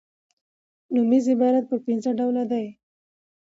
نومیز عبارت پر پنځه ډوله دئ.